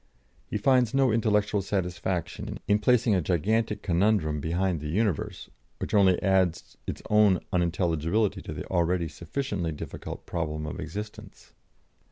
He finds no intellectual satisfaction in placing a gigantic conundrum behind the universe, which only adds its own unintelligibility to the already sufficiently difficult problem of existence.